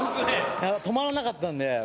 止まらなかったんで。